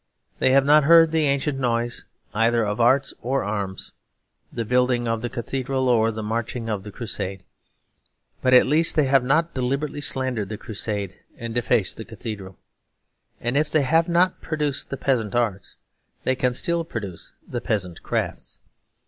They have not heard the ancient noise either of arts or arms; the building of the cathedral or the marching of the crusade. But at least they have not deliberately slandered the crusade and defaced the cathedral. And if they have not produced the peasant arts, they can still produce the peasant crafts.